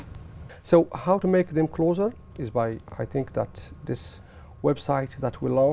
vì vậy tôi dành lời hãy hãy gửi đến tất cả các khán giả